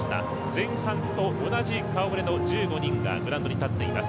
前半と同じ顔ぶれの１５人がグラウンドに立っています。